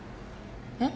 えっ？